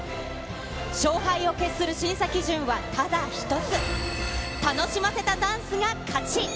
勝敗を決する審査基準はただ一つ、楽しませたダンスが勝ち。